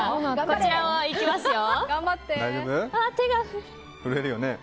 こちらもいきますよ。